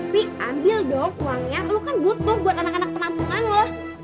tapi ambil dong uangnya lo kan butuh buat anak anak penampungan loh